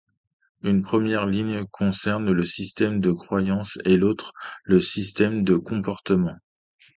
Une première ligne concerne le système de croyance et l'autre le système de comportement.